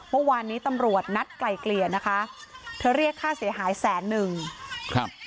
เมื่อวานนี้ตำรวจนัดไก่เกลี่ยนะคะเธอเรียกค่าเสียหาย๑๐๑๐๐๐บาท